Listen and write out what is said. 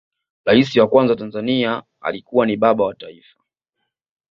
rais wa kwanza wa tanzania alikuwa ni baba wa taifa